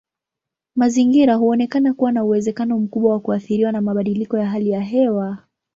Mazingira huonekana kuwa na uwezekano mkubwa wa kuathiriwa na mabadiliko ya hali ya hewa.